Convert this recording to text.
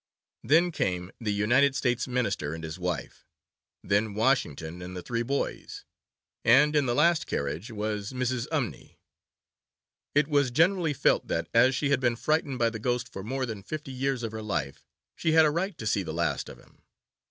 Then came the United States Minister and his wife, then Washington and the three boys, and in the last carriage was Mrs. Umney. It was generally felt that, as she had been frightened by the ghost for more than fifty years of her life, she had a right to see the last of him.